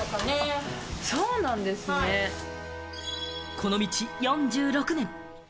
この道４６年。